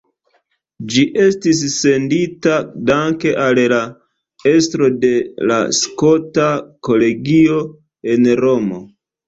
Ĝi estis sendita danke al la estro de la Skota Kolegio en Romo.